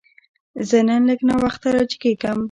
زه نن لږ ناوخته راجیګیږم